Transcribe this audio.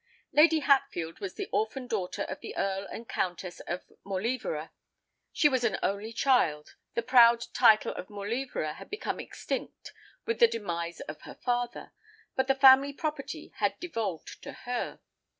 Lady Hatfield was the orphan daughter of the Earl and Countess of Mauleverer. She was an only child: the proud title of Mauleverer had become extinct with the demise of her father; but the family property had devolved to her.